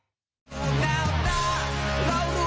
แล้วเห็นไหมพอเอาท่อออกปั๊บน้ำลงไหม